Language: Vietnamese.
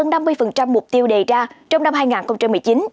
nhiều người đạt hơn năm mươi mục tiêu đề ra trong năm hai nghìn một mươi chín